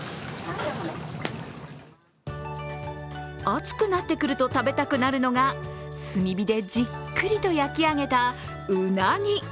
暑くなってくると食べたくなるのが炭火でじっくりと焼き上げたうなぎ。